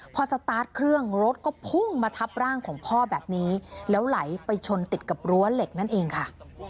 พอสตาร์ทเครื่องรถก็พุ่งมาทับร่างของพ่อแบบนี้แล้วไหลไปชนติดกับรั้วเหล็กนั่นเองค่ะ